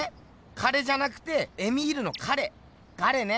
彼じゃなくてエミールの彼ガレね。